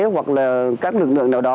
hoặc là các lực lượng nào đó